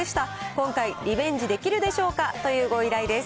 今回、リベンジできるでしょうかというご依頼です。